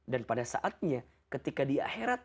dan pada saatnya ketika di akhirat